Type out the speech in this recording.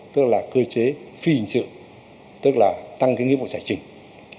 tức là cơ chế phi hình sự tức là tăng cái nghĩa vụ giải trình